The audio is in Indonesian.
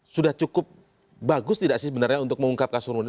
sudah cukup bagus tidak sih sebenarnya untuk mengungkapkan